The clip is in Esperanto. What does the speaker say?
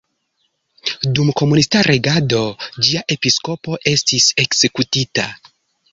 Dum komunista regado ĝia episkopo estis ekzekutita.